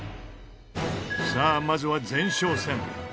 さあまずは前哨戦。